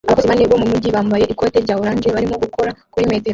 Abakozi bane bo mumujyi bambaye ikoti rya orange barimo gukora kuri metero